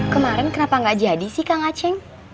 kemarin kenapa gak jadi sih kang ace